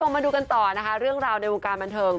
มาดูกันต่อนะคะเรื่องราวในวงการบันเทิง